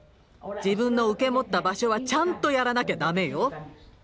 自分の受け持った場所はちゃんとやらなきゃダメよ。